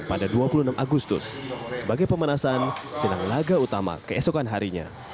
pada dua puluh enam agustus sebagai pemanasan jenang laga utama keesokan harinya